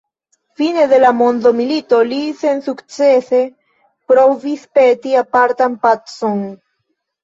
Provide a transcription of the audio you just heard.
Fine de la mondomilito li sensukcese provis peti apartan pacon.